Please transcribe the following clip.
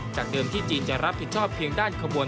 จากเดิมที่จีนจะรับผิดชอบเพียงด้านขบวน